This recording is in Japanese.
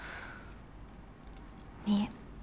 いえ。